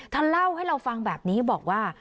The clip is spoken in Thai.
เล่าให้เราฟังแบบนี้บอกว่า